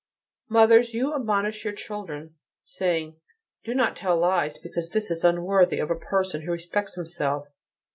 "Mothers, you admonish your children, saying, 'Do not tell lies, because this is unworthy of a person who respects himself.